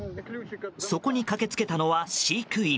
そこに駆け付けたのは飼育員。